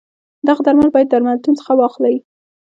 دغه درمل باید درملتون څخه واخلی.